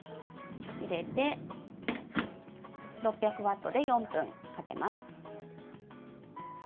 入れて、６００ワットで４分かけます。